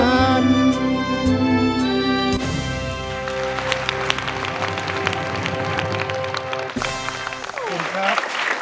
ขอบคุณครับ